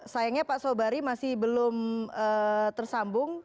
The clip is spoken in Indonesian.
sayangnya pak sobari masih belum tersambung